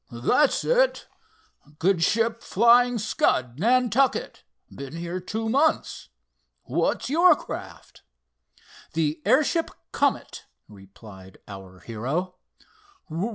"That's it—good ship Flying Scud, Nantucket. Been here two months. What's your craft?" "The airship Comet," replied our hero.